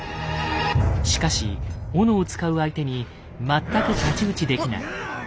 しかし斧を使う相手に全く太刀打ちできない。